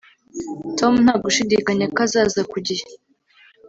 Tom nta gushidikanya ko azaza ku gihe